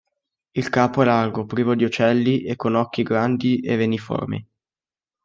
Il capo è largo, privo di ocelli e con occhi grandi e reniformi.